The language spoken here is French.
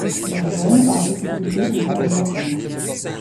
Les jeunes ont la possibilité de faire des baptêmes.